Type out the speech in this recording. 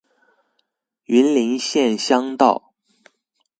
雲林縣鄉道